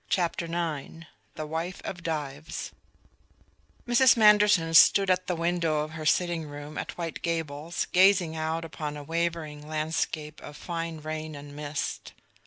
CHAPTER IX THE WIFE OF DIVES Mrs. Manderson stood at the window of her sitting room at White Gables gazing out upon a wavering landscape of fine rain and mist.